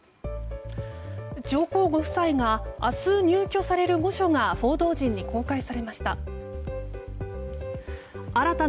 上皇ご夫妻が明日、入居される御所が報道陣に公開されました。